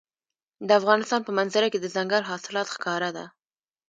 د افغانستان په منظره کې دځنګل حاصلات ښکاره ده.